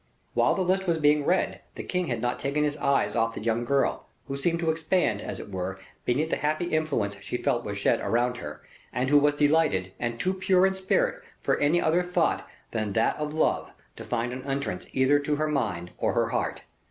While the list was being read, the king had not taken his eyes off the young girl, who seemed to expand, as it were, beneath the happy influence she felt was shed around her, and who was delighted and too pure in spirit for any other thought than that of love to find an entrance either to her mind or her heart.